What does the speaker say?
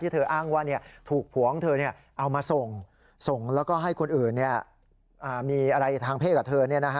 เธออ้างว่าถูกผัวของเธอเอามาส่งส่งแล้วก็ให้คนอื่นมีอะไรทางเพศกับเธอ